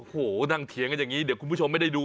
โอ้โหนั่งเถียงกันอย่างนี้เดี๋ยวคุณผู้ชมไม่ได้ดู